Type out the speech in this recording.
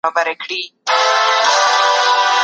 دې ته انډوجینټیک الوپیسیا وايي.